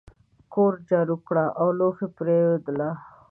کور جارو کړه لوښي پریوله !